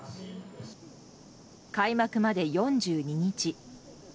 開幕まで、４２日。